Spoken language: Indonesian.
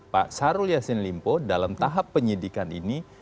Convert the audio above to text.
pak syahrul yassin limpo dalam tahap penyidikan ini